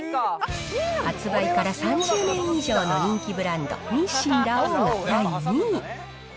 発売から３０年以上の人気ブランド、日清ラ王が第２位。